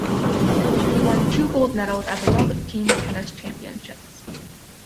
He won two gold medals at the World Team Tennis Championships.